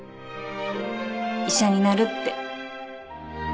医者になるって。